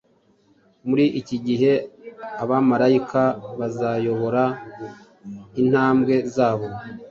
muri iki gihe abamarayika bazayobora intambwe z’abo